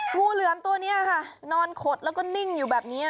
งูเหลือมตัวนี้ค่ะนอนขดแล้วก็นิ่งอยู่แบบนี้